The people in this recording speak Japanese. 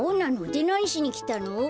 でなにしにきたの？